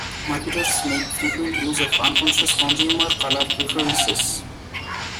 Marketers make frequent use of unconscious consumer color preferences.